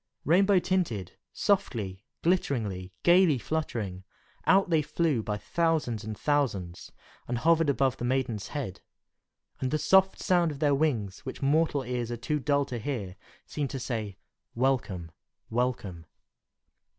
Rainbow tinted, softly, glitteringly, gayly fluttering, out they flew by thousands and thousands, and hovered about the maiden's head; and the soft sound of their wings, which mortal ears are too dull to hear, seemed to say, "Welcome! welcome!"